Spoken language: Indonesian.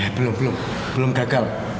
belum belum gagal